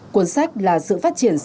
cuốn sách là sự phát triển sâu sắc